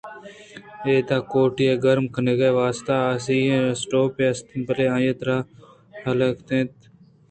اِدا کوٹی ءِ گرم کنگ ءِ واستہ آ سی ایں اسٹوپے است اَت بلئے آئی ءِ دار ہلّیتگ اِت اَنت ءُدارانی اسٹور ءِ کلیت ماسٹر ءِ کِرّا اِت اَنت